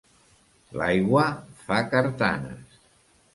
L'aigua fa quartanes.